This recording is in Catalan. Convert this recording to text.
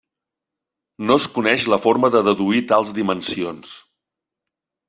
No es coneix la forma de deduir tals dimensions.